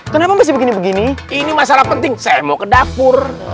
kenapa masih begini begini ini masalah penting saya mau ke dapur